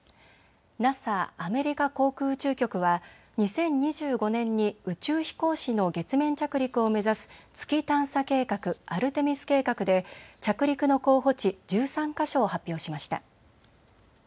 ＮＡＳＡ・アメリカ航空宇宙局は２０２５年に宇宙飛行士の月面着陸を目指す月探査計画アルテミス計画で着陸の候補地１３か所を発表しました。